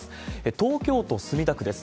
東京都墨田区です。